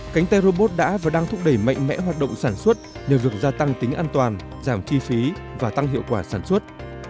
cánh tay robot đã và đang thúc đẩy mạnh mẽ hoạt động sản xuất nhờ việc gia tăng tính an toàn giảm chi phí và tăng hiệu quả sản xuất